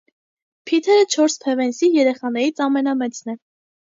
Փիթերը չորս Փևենսի երեխաներից ամենամեծն է։